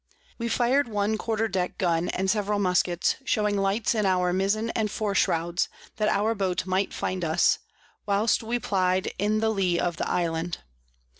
We fir'd one Quarter Deck Gun and several Muskets, showing Lights in our Mizen and Fore Shrouds, that our Boat might find us, whilst we ply'd in the Lee of the Island.